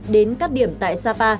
đến các điểm tại sapa